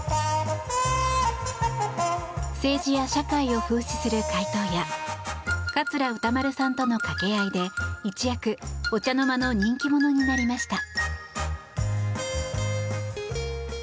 政治や社会を風刺する回答や桂歌丸さんとの掛け合いで一躍、お茶の間の人気者になりました。